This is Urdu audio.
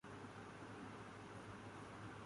اسام سنگ نے اپنے